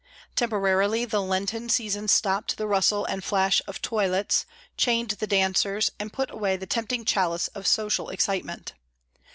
Temporarily, the Lenten season stopped the rustle and flash of toilettes, chained the dancers, and put away the tempting chalice of social excitement.